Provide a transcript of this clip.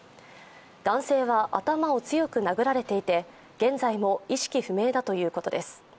男性は頭を強く殴られていて現在も意識不明だということです。